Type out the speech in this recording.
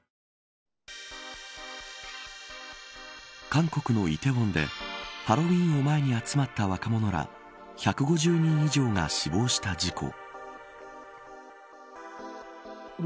韓国の梨泰院でハロウィーンを前に集まった若者ら１５０人以上が死亡した事故。